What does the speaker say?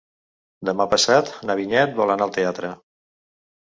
Demà passat na Vinyet vol anar al teatre.